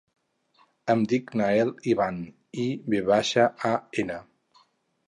Em dic Nael Ivan: i, ve baixa, a, ena.